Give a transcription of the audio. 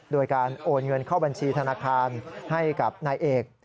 โดยการโอนเงินเข้าบัญชีธนาคารให้กับนายเอก